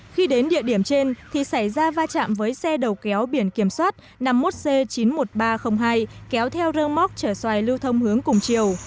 khi đến địa điểm trên thì xảy ra va chạm với xe đầu kéo biển kiểm soát năm mươi một c chín mươi một nghìn ba trăm linh hai kéo theo rơ móc chở xoài lưu thông hướng cùng chiều